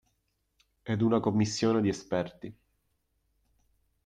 Ed una commissione di esperti.